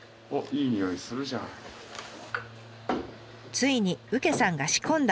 ついにうけさんが仕込んだ